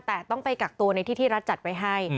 แต่ต้องไปกักตัวในที่ที่รัฐจัดไว้ให้